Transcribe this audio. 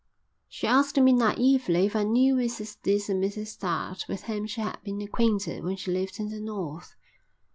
She asked me naïvely if I knew Mrs This and Mrs That, with whom she had been acquainted when she lived in the north.